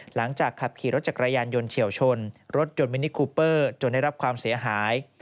หลังจากขับขี่รถจักรยานยนต์เฉียวชนรถยนต์มินิคูเปอร์จนได้รับความเสียหาย